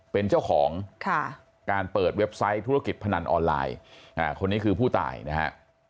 เป็นเจ้าของการเปิดเว็บไซต์ธุรกิจพนันออนไลน์คนนี้คือผู้ตายนะฮะ